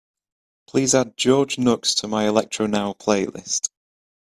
please add george nooks to my electronow playlist